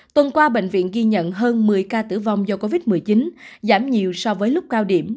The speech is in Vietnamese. tuần qua bệnh viện ghi nhận hơn một mươi ca tử vong do covid một mươi chín giảm nhiều so với lúc cao điểm